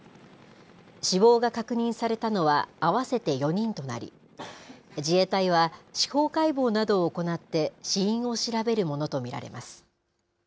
死亡が確認されたのは合わせて４人となり、自衛隊は司法解剖などを行って、死因を調べるものと見られます。